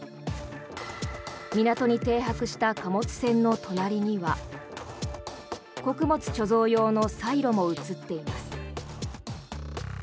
港に停泊した貨物船の隣には穀物貯蔵用のサイロも映っています。